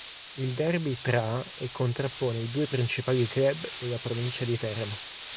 Il derby tra e contrappone i due principali club della provincia di Teramo.